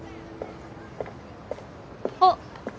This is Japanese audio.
あっ。